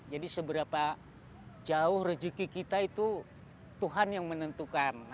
jadi seberapa jauh rezeki kita itu tuhan yang menentukan